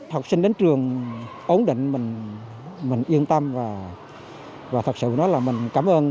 học sinh đến trường ổn định mình yên tâm và thật sự nói là mình cảm ơn